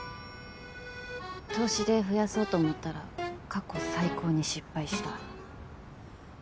投資で増やそうと思ったら過去最高に失敗した。